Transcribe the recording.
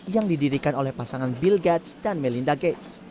yang didirikan oleh pasangan bill gates dan melinda gates